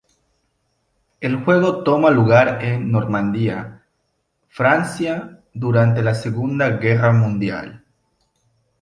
El juego toma lugar en Normandía, Francia, durante la Segunda Guerra Mundial.